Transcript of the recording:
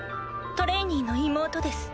トレイニーの妹です。